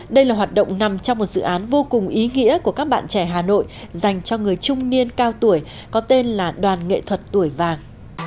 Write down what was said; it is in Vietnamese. đây là hoạt động nằm trong một dự án vô cùng ý nghĩa của các bạn trẻ hà nội dành cho người trung niên cao tuổi có tên là đoàn nghệ thuật tuổi vàng